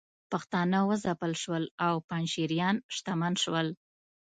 پښتانه وځپل شول او پنجشیریان شتمن شول